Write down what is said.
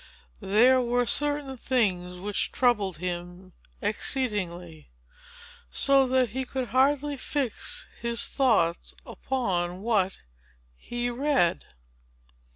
There were certain things which troubled him exceedingly, so that he could hardly fix his thoughts upon what he read.